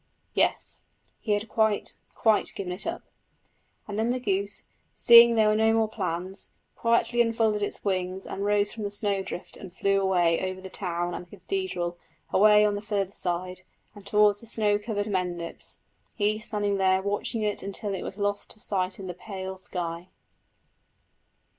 Yes, he had quite, quite given it up! And then the goose, seeing there were no more plans, quietly unfolded its wings and rose from the snowdrift and flew away over the town and the cathedral away on the further side, and towards the snow covered Mendips; he standing there watching it until it was lost to sight in the pale sky.